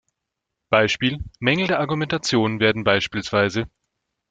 Beispiel: Mängel der Argumentation werden bspw.